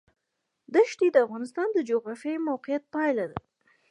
دښتې د افغانستان د جغرافیایي موقیعت پایله ده.